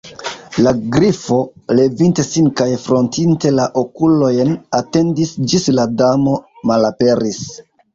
La Grifo, levinte sin kaj frotinte la okulojn, atendis ĝis la Damo malaperis.